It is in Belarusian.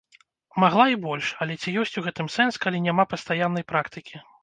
Магла і больш, а ці ёсць у гэтым сэнс, калі няма пастаяннай практыкі?